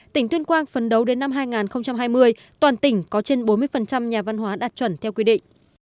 tỉnh tuyên quang phấn đấu đến năm hai nghìn hai mươi toàn tỉnh có trên bốn mươi nhà văn hóa đạt chuẩn theo quy định